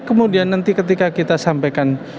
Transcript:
kemudian nanti ketika kita sampaikan